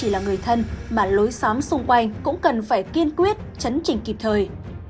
là người thân mà lối xóm xung quanh cũng cần phải kiên quyết chấn trình kịp thời